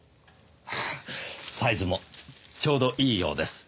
サイズもちょうどいいようです。